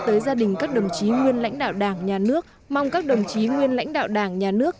tới gia đình các đồng chí nguyên lãnh đạo đảng nhà nước mong các đồng chí nguyên lãnh đạo đảng nhà nước